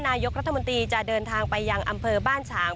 นายกรัฐมนตรีจะเดินทางไปยังอำเภอบ้านฉาง